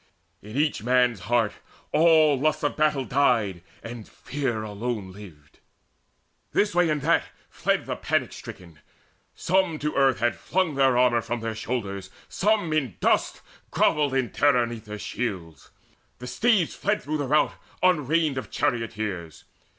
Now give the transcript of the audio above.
In each man's heart all lust of battle died, And fear alone lived. This way, that way fled The panic stricken: some to earth had flung The armour from their shoulders; some in dust Grovelled in terror 'neath their shields: the steeds Fled through the rout unreined of charioteers.